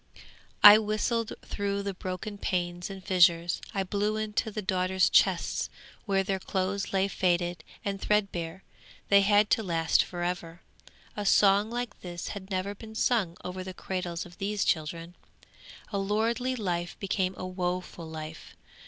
'I whistled through the broken panes and fissures; I blew into the daughters' chests where their clothes lay faded and threadbare; they had to last for ever. A song like this had never been sung over the cradles of these children. A lordly life became a woeful life!